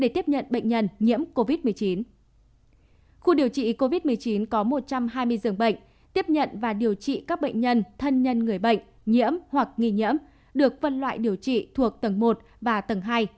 tiếp nhận và điều trị các bệnh nhân thân nhân người bệnh nhiễm hoặc nghi nhiễm được phân loại điều trị thuộc tầng một và tầng hai